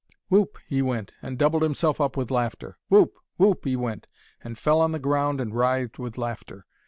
Whoop! he went, and doubled himself up with laughter. Whoop! Whoop! he went, and fell on the ground and writhed with laughter.